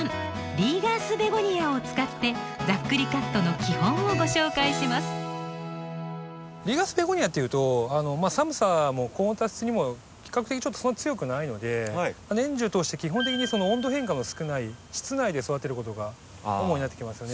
リーガースベゴニアっていうと寒さも高温多湿にも比較的ちょっとそんなに強くないので年中通して基本的に温度変化の少ない室内で育てることが主になってきますよね。